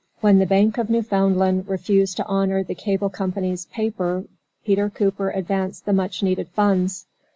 When the Bank of Newfoundland refused to honor the Cable Company's paper Peter Cooper advanced the much needed funds.